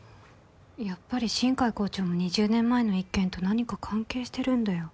やっぱり新偕校長も２０年前の一件と何か関係してるんだよ。